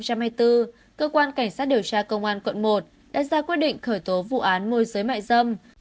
cơ quan cảnh sát điều tra công an quận một đã ra quyết định khởi tố vụ án môi giới mại dâm